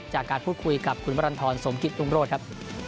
จากการพูดคุยกับคุณวรรณฑรสมกิตรุงโรธครับ